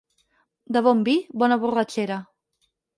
De bon vi, bona borratxera.